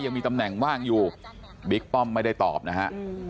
ยังมีตำแหน่งว่างอยู่บิ๊กป้อมไม่ได้ตอบนะฮะ